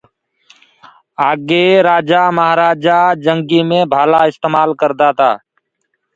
آگي رآجآ مآهرآجآ جنگيٚ مي ڀآلآ استمآل ڪردآ تآ۔